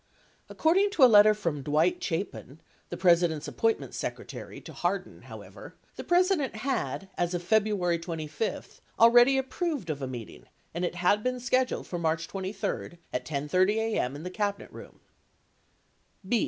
83 According to a letter from Dwight Chapin, the President's Appointments Secre tary, to Hardin, however, the President had, as of February 25, already approved of a meeting and it had been scheduled for March 23 at 10 :30 a.m. in the Cabinet Room.